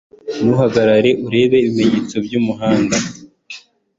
Nuhagera urebe ibumoso bwumuhanda.